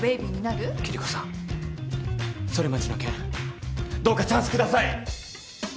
キリコさんソリマチの件どうかチャンス下さい！